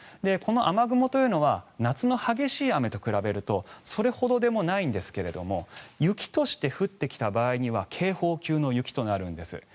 この雨雲というのは夏の激しい雨と比べるとそれほどでもないんですが雪として降ってきた場合には警報級の雪となるんです。